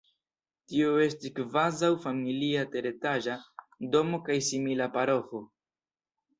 Tio estis kvazaŭ familia teretaĝa domo kaj simila paroĥo.